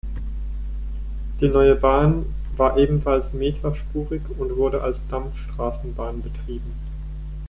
Die neue Bahn war ebenfalls meterspurig und wurde als Dampfstraßenbahn betrieben.